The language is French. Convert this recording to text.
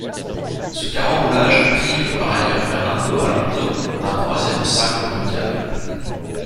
Ce carambolage prive par ailleurs Fernando Alonso d'un troisième sacre mondial.